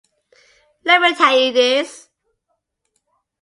Let me tell you this.